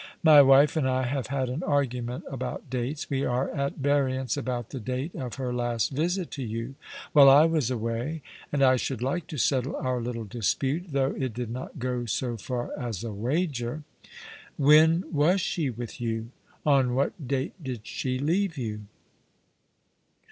My wife and I have had an argument about dates — we are at variance about the date of her last visit to you — while I was away — and I should like to settle our little dispute, though it did not go so far as a wager. When was she with you ? On what date did she leave you?